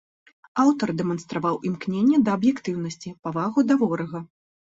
Аўтар дэманстраваў імкненне да аб'ектыўнасці, павагу да ворага.